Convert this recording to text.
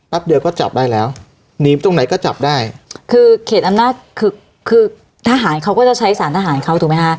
เดียวก็จับได้แล้วหนีตรงไหนก็จับได้คือเขตอำนาจคือคือทหารเขาก็จะใช้สารทหารเขาถูกไหมคะ